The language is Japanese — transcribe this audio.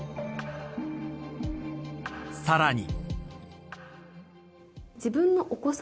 さらに。